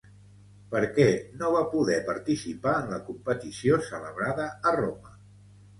Per què no va poder participar en la competició celebrada a Roma?